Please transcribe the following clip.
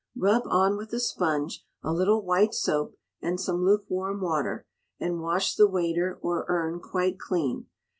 Rub on with a sponge a little white soap and some lukewarm water, and wash the waiter or urn quite clean.